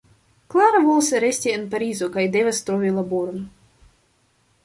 Klara volas resti en Parizo kaj devas trovi laboron.